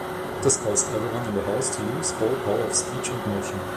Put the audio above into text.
This caused everyone in the house to lose all power of speech and motion.